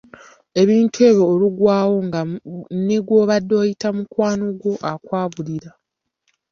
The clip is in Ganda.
Ebintu ebyo oluggwaawo nga ne gw’obadde oyita mukwano gwo akwabulira.